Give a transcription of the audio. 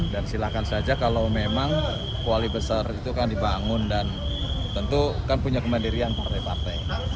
dan silahkan saja kalau memang koalisi besar itu kan dibangun dan tentu kan punya kemandirian partai partai